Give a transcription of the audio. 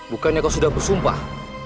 bukannya kau sudah bersumpah